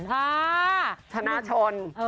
อ่าชาลาชน